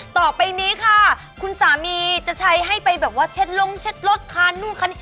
ต่อไปนี้ค่ะคุณสามีจะใช้ให้ไปแบบว่าเช็ดลงเช็ดรถคันนู่นคันนี้